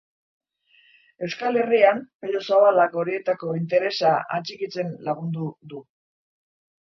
Euskal Herrian, Pello Zabalak horiekiko interesa atxikitzen lagundu du.